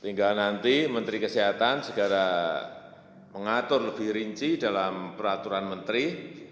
tinggal nanti menteri kesehatan segera mengatur lebih rinci dalam peraturan menteri